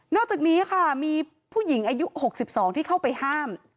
อกจากนี้ค่ะมีผู้หญิงอายุ๖๒ที่เข้าไปห้าม